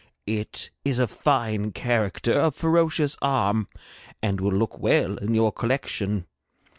It is a fine character of ferocious arm, and will look well in your collection.